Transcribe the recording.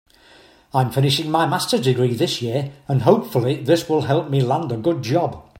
I'm finishing my masters degree this year and hopefully this will help me land a good job.